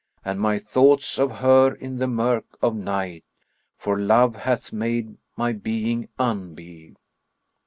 And my thoughts of her in the murk of night * For love hath make my being unbe."